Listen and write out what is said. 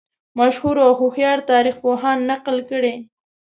مشهورو او هوښیارو تاریخ پوهانو نقل کړې.